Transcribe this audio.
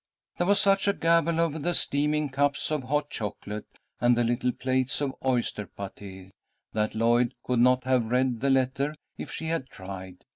There was such a gabble over the steaming cups of hot chocolate and the little plates of oyster patés that Lloyd could not have read the letter if she had tried.